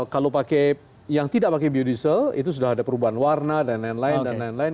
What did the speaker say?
kalau yang tidak pakai biodiesel itu sudah ada perubahan warna dan lain lain